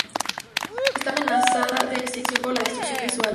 Está amenazada de extinción por la destrucción de hábitat.